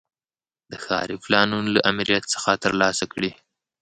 د ښاري پلانونو له آمریت څخه ترلاسه کړي.